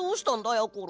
やころ。